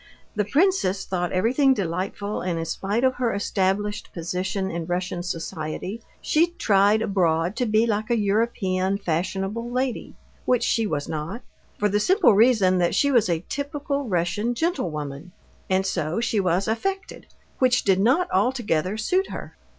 The princess thought everything delightful, and in spite of her established position in Russian society, she tried abroad to be like a European fashionable lady, which she was not—for the simple reason that she was a typical Russian gentlewoman; and so she was affected, which did not altogether suit her.